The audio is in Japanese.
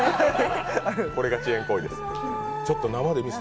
これが遅延行為です。